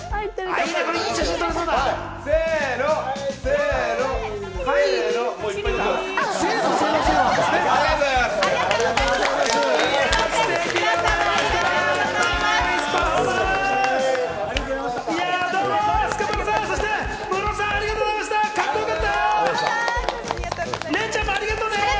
ありがとうございます！